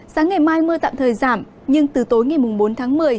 sáng ngày mai mưa tạm thời giảm nhưng từ tối ngày bốn tháng một mươi